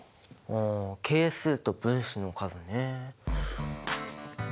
あ係数と分子の数ね。